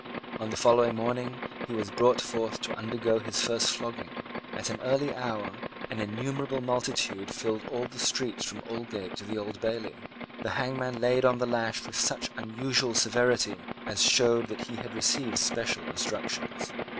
On the following morning he was brought forth to undergo his first flogging. At an early hour an innumerable multitude filled all the streets from Aldgate to the Old Bailey. The hangman laid on the lash with such unusual severity as showed that he had received special instructions.